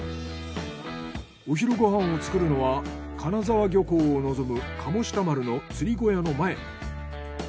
お昼ご飯を作るのは金沢漁港を望む鴨下丸の釣り小屋の前。